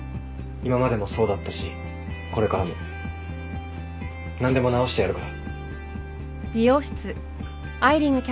今までもそうだったしこれからも何でも直してやるから。